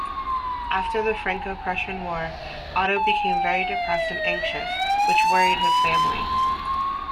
After the Franco-Prussian War, Otto became very depressed and anxious, which worried his family.